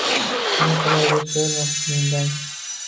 Ne qilay, deb so’rma mendan